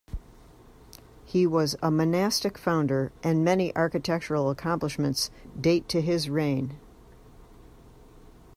He was a monastic founder and many architectural accomplishments date to his reign.